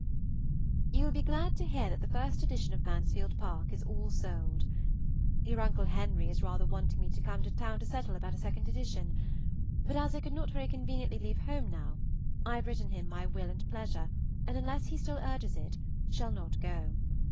You will be glad to hear that the first edition of M. P. is all sold. Your Uncle Henry is rather wanting me to come to town to settle about a second edition; but as I could not very conveniently leave home now, I have written him my will and pleasure and unless he still urges it, shall not go.